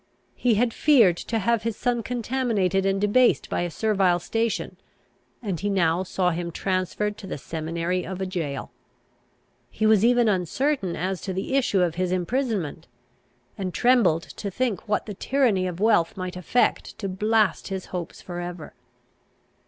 He had feared to have his son contaminated and debased by a servile station, and he now saw him transferred to the seminary of a gaol. He was even uncertain as to the issue of his imprisonment, and trembled to think what the tyranny of wealth might effect to blast his hopes for ever.